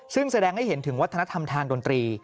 ซึ่งแสดงให้เห็นถึงวัฒนธรรมทางดนตรี